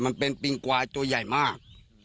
มันเป็นปิงกวายตัวใหญ่มาก